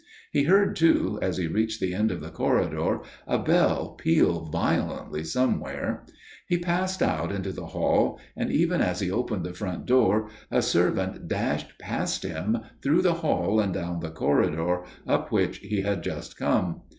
He heard, too, as he reached the end of the corridor, a bell peal violently somewhere. He passed out into the hall, and even as he opened the front door a servant dashed past him through the hall and down the corridor, up which he had just come.